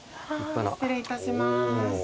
失礼いたします。